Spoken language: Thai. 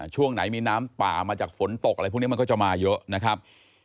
ช่วงไหนมีน้ำป่ามาจากฝนตกอะไรพวกนี้มันก็จะมาเยอะนะครับ